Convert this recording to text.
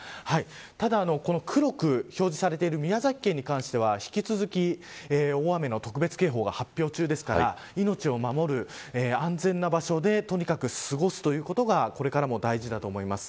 ただ、この黒く表示されている宮崎県に関しては引き続き、大雨の特別警報が発表中ですから命を守る安全な場所でとにかく過ごすということがこれからも大事だと思います。